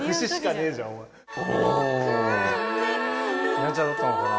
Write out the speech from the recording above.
やんちゃだったのかな？